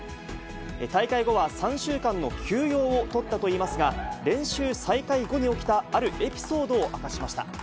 大会後は３週間の休養を取ったといいますが、練習再開後に起きたあるエピソードを明かしました。